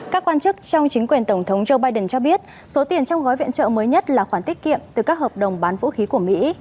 các quan chức trong chính quyền tổng thống joe biden cho biết số tiền trong gói viện trợ mới nhất là khoản tiết kiệm từ các hợp đồng bán vũ khí của mỹ